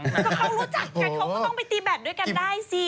ก็เขารู้จักกันเขาก็ต้องไปตีแบบด้วยกันได้สิ